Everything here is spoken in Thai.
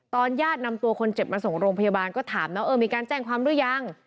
ญาตินำตัวคนเจ็บมาส่งโรงพยาบาลก็ถามนะเออมีการแจ้งความหรือยัง